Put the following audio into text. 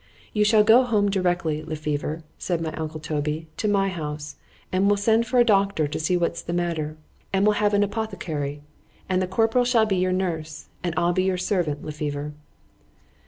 —— ——You shall go home directly, Le Fever, said my uncle Toby, to my house,—and we'll send for a doctor to see what's the matter,—and we'll have an apothecary,—and the corporal shall be your nurse;——and I'll be your servant, _Le Fever.